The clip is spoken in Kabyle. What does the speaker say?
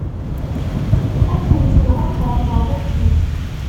Akken sneɣ ad farṣeɣ tafsut.